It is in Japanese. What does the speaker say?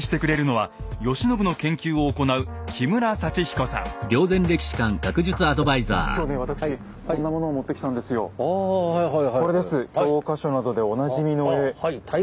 はい。